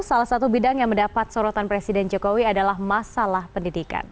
salah satu bidang yang mendapat sorotan presiden jokowi adalah masalah pendidikan